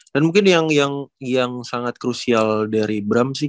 dan mungkin yang sangat crucial dari bram sih